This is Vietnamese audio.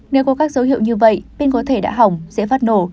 nếu có các dấu hiệu như vậy bên có thể đã hỏng dễ phát nổ